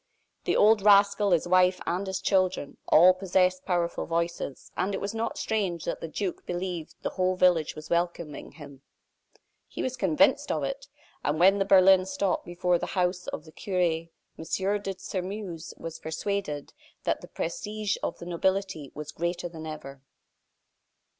The old rascal, his wife, and his children, all possessed powerful voices; and it was not strange that the duke believed the whole village was welcoming him. He was convinced of it; and when the berlin stopped before the house of the cure, M. de Sairmeuse was persuaded that the prestige of the nobility was greater than ever.